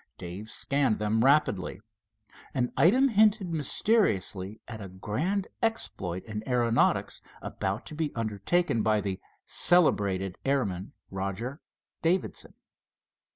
Dave scanned them rapidly. An item hinted mysteriously at a grand exploit in aeronautics about to be undertaken by the "celebrated" airman, Roger Davidson.